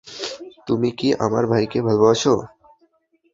তুমি কি আমার ভাইকে ভালোবাসো?